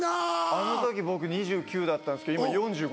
あの時僕２９だったんすけど今４５なんで。